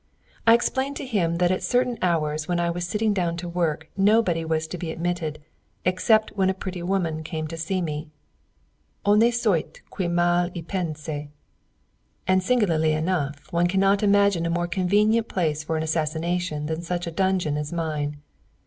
I explained to him that at certain hours when I was sitting down to work nobody was to be admitted except when a pretty woman came to see me. Honi soit qui mal y pense! And singularly enough, one cannot imagine a more convenient place for an assignation than such a dungeon as mine.